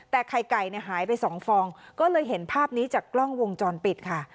แต่ไข่ไก่หายไป๒ฟองก็เลยเห็นภาพนี้จากกล้องวงจรปิดค่ะ